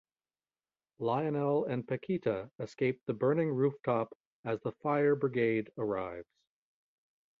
Lionel and Paquita escape the burning rooftop as the fire brigade arrives.